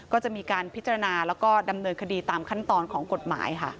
ก็จะมีการพิจารณาแล้วก็ดำเนินคดีตามขั้นตอนของกฎหมายค่ะ